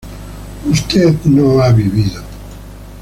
usted no ha vivido